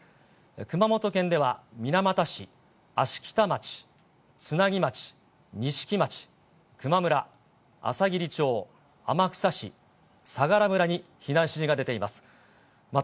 熊本県では水俣市、芦北町、津奈木町、錦町、球磨村、あさぎり町、天草市、相良村に避難指示が出ています。